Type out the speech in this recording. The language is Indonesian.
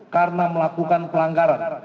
karena melakukan pelanggaran